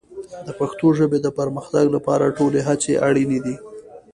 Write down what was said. د پښتو ژبې د پرمختګ لپاره ټولې هڅې اړین دي.